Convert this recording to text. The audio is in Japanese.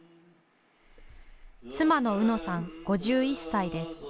妻のうのさん、５１歳です。